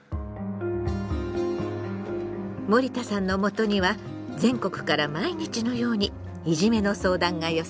森田さんのもとには全国から毎日のようにいじめの相談が寄せられる。